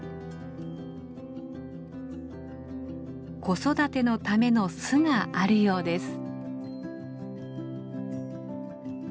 子育てのための巣があるようです。